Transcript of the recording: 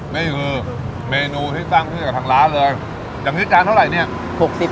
นี่คือเมนูที่ตั้งที่จากทางร้านเลยจำที่จานเท่าไหร่เนี่ย